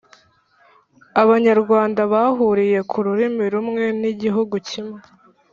abanyarwanda bahuriye ku rurimi rumwe n’igihugu kimwe.